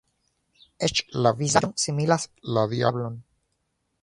Eĉ la vizaĝo similas la diablon!